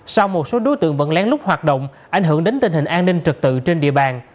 sau một số đối tượng vẫn lén lút hoạt động ảnh hưởng đến tình hình an ninh trực tự trên địa bàn